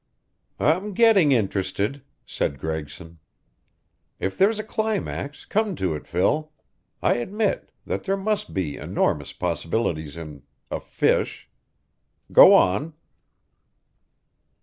"I'm getting interested," said Gregson. "If there's a climax, come to it, Phil. I admit that there must be enormous possibilities in a fish. Go on!"